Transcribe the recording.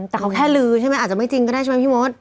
แต่เขาแค่ลือใช่ไหมอาจจะไม่จริงก็ได้ใช่ไหมพี่มด